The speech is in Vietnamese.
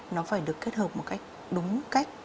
nó phải được kết hợp một cách đúng cách